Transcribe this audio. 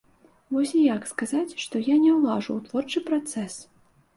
Вось і як сказаць, што я не ўлажу ў творчы працэс?